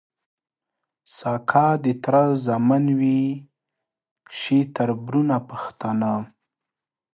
سکه د تره زامن وي شي تــربـــرونـه پښتانه